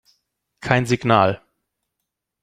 Kein Signal.